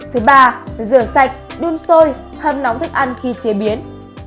thứ ba rửa sạch đun sôi hâm nóng thức ăn khi chế biến